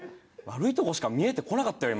悪いとこしか見えてこなかったよ